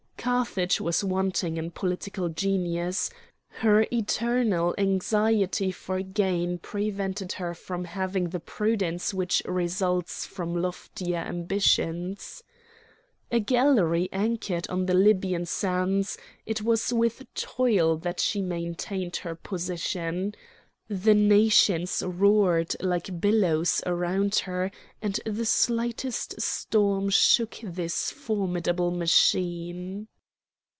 Carthage was wanting in political genius. Her eternal anxiety for gain prevented her from having the prudence which results from loftier ambitions. A galley anchored on the Libyan sands, it was with toil that she maintained her position. The nations roared like billows around her, and the slightest storm shook this formidable machine.